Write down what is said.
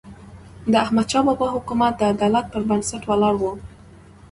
د احمدشاه بابا حکومت د عدالت پر بنسټ ولاړ و.